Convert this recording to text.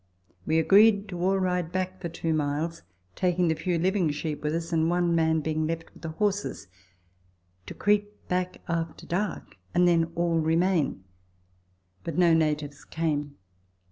We agreed 30 Letters from Victorian Pioneers. to all ride back for two miles, taking the few living sheep with us, and one man being left with the horses, to creep back after dark, and then all remain ; but no natives came.